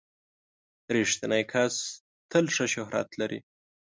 • رښتینی کس تل ښه شهرت لري.